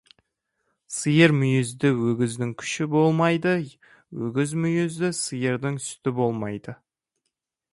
Сиыр мүйізді өгіздің күші болмайды, өгіз мүйізді сиырдың сүті болмайды.